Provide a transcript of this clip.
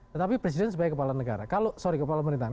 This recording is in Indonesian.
tetapi presiden sebagai kepala negara sorry kepala mereintahan